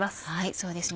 そうですね。